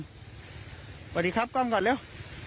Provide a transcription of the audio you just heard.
สวัสดีครับกล้องก่อนเร็ว